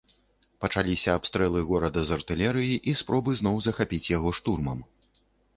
Пачаліся абстрэлы горада з артылерыі і спробы зноў захапіць яго штурмам.